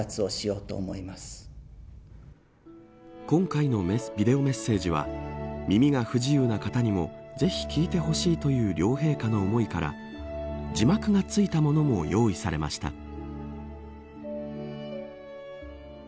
今回のビデオメッセージは耳が不自由な方にもぜひ聞いてほしいという両陛下の思いから字幕がついたものも用意されました。